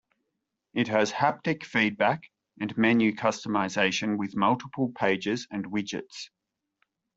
It has haptic feedback and menu customization with multiple pages and widgets.